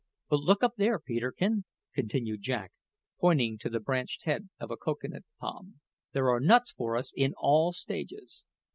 But look up there, Peterkin," continued Jack, pointing to the branched head of a cocoa nut palm. "There are nuts for us in all stages."